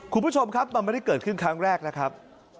คุณผู้ชมครับมันไม่ได้เกิดขึ้นครั้งแรกนะครับ